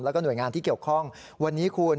แล้วก็หน่วยงานที่เกี่ยวข้องวันนี้คุณ